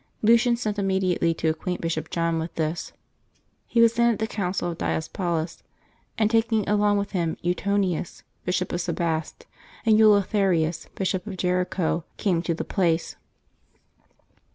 Lucian sent immediately to acquaint Bishop John with this. He was then at the Council of Diospolis, and, taking along with him Eutonius, Bishop of Sebaste, and Eleutherius, Bishop of Jericho, came to the place.